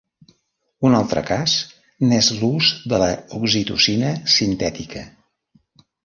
Un altre cas n'és l'ús de l'oxitocina sintètica.